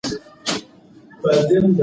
مور د ماشوم د سهار عادتونه څاري.